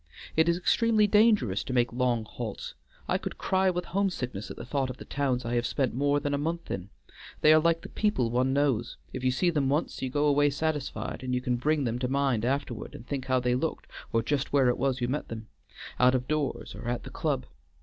It is extremely dangerous to make long halts. I could cry with homesickness at the thought of the towns I have spent more than a month in; they are like the people one knows; if you see them once, you go away satisfied, and you can bring them to mind afterward, and think how they looked or just where it was you met them, out of doors or at the club.